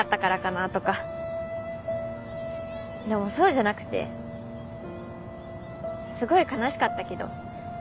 でもそうじゃなくてすごい悲しかったけど継母だったから。